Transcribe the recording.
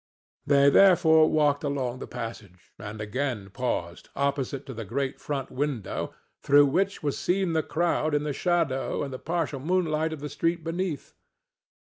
They therefore walked along the passage, and again paused, opposite to the great front window, through which was seen the crowd in the shadow and partial moonlight of the street beneath.